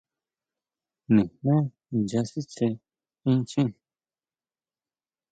Nijmé nya sitsé inchjín.